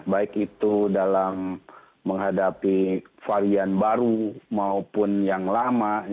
baik itu dalam menghadapi varian baru maupun yang lama